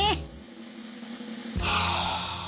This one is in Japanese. はあ。